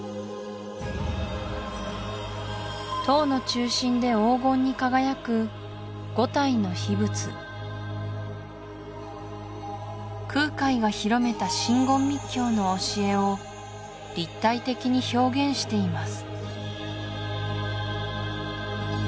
塔の中心で黄金に輝く五体の秘仏空海が広めた真言密教の教えを立体的に表現しています